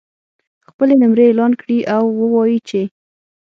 خپلې نمرې اعلان کړي او ووایي چې